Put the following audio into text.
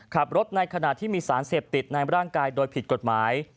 ขับรถในขณะที่มีสารเสพติดในร่างกายโดยผิดกฎหมาย